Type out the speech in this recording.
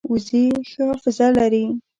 وزې ښه حافظه لري